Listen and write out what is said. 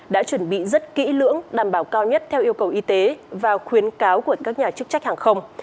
đã chuẩn bị rất kỹ lưỡng đảm bảo cao nhất theo yêu cầu y tế và khuyến cáo của các nhà chức trách hàng không